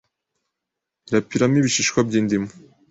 Rapiramo ibishishwa by’indimu